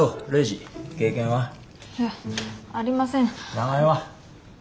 名前は？